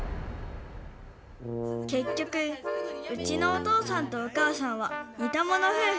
結局うちのお父さんとお母さんは似たもの夫婦。